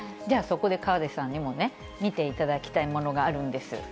じゃあそこで河出さんにもね、見ていただきたいものがあるんです。